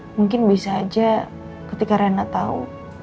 mungkin bisa aja ketika reina tau